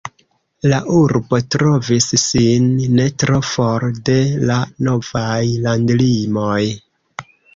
La urbo trovis sin ne tro for de la novaj landlimoj.